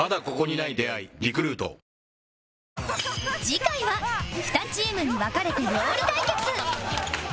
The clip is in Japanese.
次回は２チームに分かれて料理対決